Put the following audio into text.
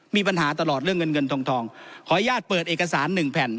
มีปัญหาตลอดเรื่องเงินเงินทองทองขออนุญาตเปิดเอกสารหนึ่งแผ่น